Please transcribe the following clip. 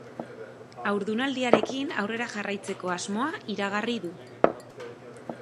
Haurdunaldiarekin aurrera jarraitzeko asmoa iragarri du.